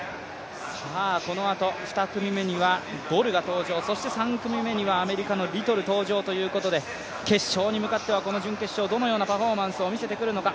このあと２組目にはボルが登場、そして３組目にはアメリカのリトル登場ということで決勝に向かってはこの準決勝、どのようなパフォーマンスを見せてくるのか